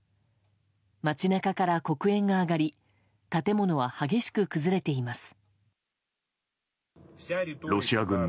街中から黒煙が上がり建物は激しく崩れています。